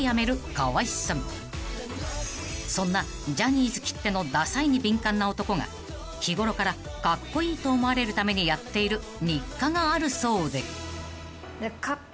［そんなジャニーズきってのダサいに敏感な男が日頃からカッコイイと思われるためにやっている日課があるそうで］